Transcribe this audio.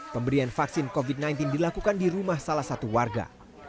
pemberian vaksin covid sembilan belas dilakukan di rumah salah satu warga